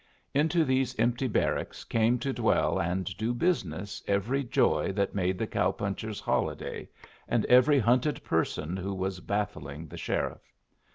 Into these empty barracks came to dwell and do business every joy that made the cow puncher's holiday, and every hunted person who was baffling the sheriff.